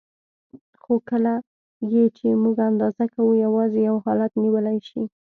خو کله یې چې موږ اندازه کوو یوازې یو حالت نیولی شي.